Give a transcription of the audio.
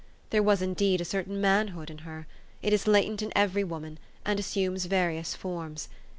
There was, indeed, a certain manhood in her it is latent in every woman, and assumes various forms.